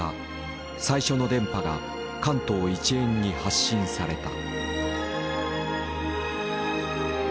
最初の電波が関東一円に発信された。